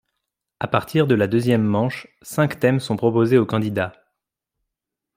À partir de la deuxième manche, cinq thèmes sont proposés au candidat.